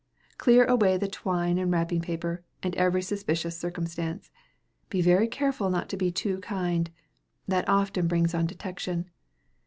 Clear away the twine and wrapping paper, and every suspicious circumstance. Be very careful not to be too kind. That often brings on detection.